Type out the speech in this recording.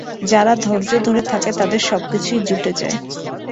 যারা ধৈর্য ধরে থাকে, তাদের সব কিছুই জুটে যায়।